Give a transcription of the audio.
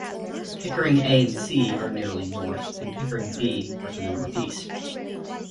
Pickering A and C are nearly north and Pickering B are to the northeast.